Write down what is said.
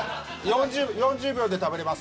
４０秒で食べれます？